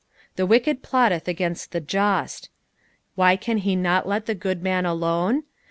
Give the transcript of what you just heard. The toicked pktUth agaiait th« jwt." Why can he not let (tie good man alone